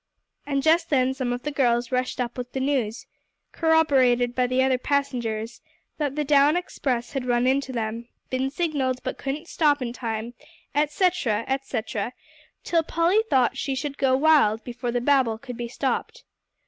And just then some of the girls rushed up with the news, corroborated by the other passengers, that the down express had run into them, been signalled, but couldn't stop in time, etc., etc., till Polly thought she should go wild before the babel could be stopped.